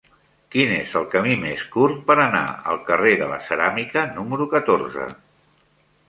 Quin és el camí més curt per anar al carrer de la Ceràmica número catorze?